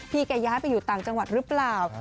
แกย้ายไปอยู่ต่างจังหวัดหรือเปล่า